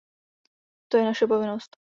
To je naše povinnost.